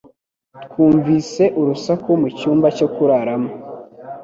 Twumvise urusaku mu cyumba cyo kuraramo